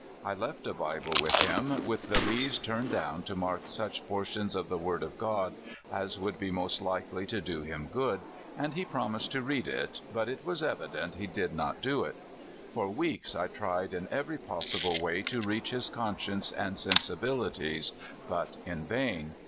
I left a Bible with him, with the leaves turned down to mark such portions of the word of God as would be most likely to do him good, and he promised to read it, but it was evident he did not do it. For weeks I tried in every possible way to reach his conscience and sensibilities, but in vain.